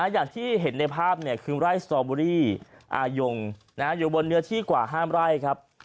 อย่างที่เห็นในภาพคือไร่สตอเบอรี่อายงอยู่บนเนื้อที่กว่าห้ามไร่ครับ